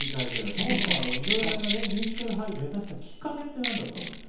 そもそも井上さんがねミュージカル俳優目指したきっかけって何だったんですか？